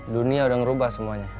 dunia udah ngerubah semuanya